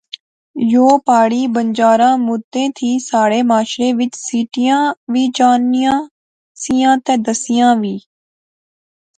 یو پہاڑی بنجاراں مدتیں تھیں ساڑھے معاشرے وچ سٹیاں وی جانیاں سیاں تہ دسیاں وی